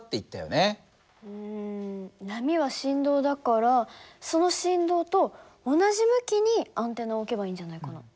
うん波は振動だからその振動と同じ向きにアンテナを置けばいいんじゃないかな。